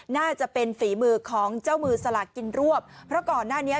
น่าจะเป็นฝีมือของเจ้ามือสลากกินรวบเพราะก่อนหน้านี้